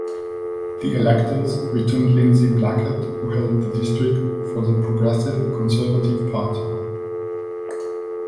The electors returned Lindsay Blackett who held the district for the Progressive Conservative Party.